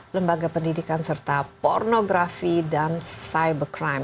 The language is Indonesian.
lembaga pendidikan serta pornografi dan cybercrime